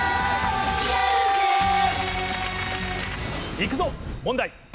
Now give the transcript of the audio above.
行くぞ問題。